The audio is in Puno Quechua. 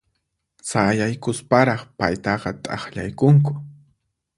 Sayaykusparaq paytaqa t'aqllaykunku.